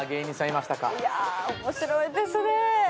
いや面白いですね。